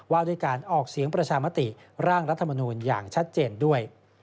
ว่าด้วยการออกเสียงประชามติร่างรัฐมนูลอย่างชัดเจนด้วย